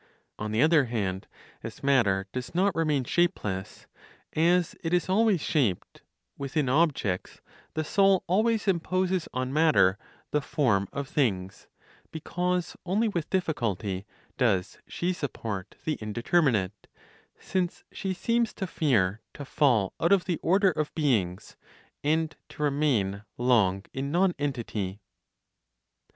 On the other hand, as matter does not remain shapeless, as it is always shaped, within objects, the soul always imposes on matter the form of things, because only with difficulty does she support the indeterminate, since she seems to fear to fall out of the order of beings, and to remain long in nonentity.